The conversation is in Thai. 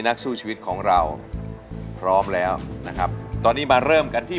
นักสู้ชีวิตของเราพร้อมแล้วนะครับตอนนี้มาเริ่มกันที่